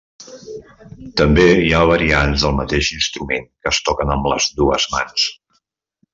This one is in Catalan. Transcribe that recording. També hi ha variants del mateix instrument que es toquen amb les dues mans.